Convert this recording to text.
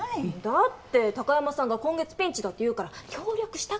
だって貴山さんが今月ピンチだって言うから協力したくて。